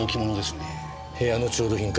部屋の調度品か。